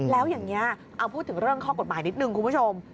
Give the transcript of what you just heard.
แล้วอย่างนี้เอาพูดถึงเรื่องข้อกฎหมายนิดนึงคุณผู้ชม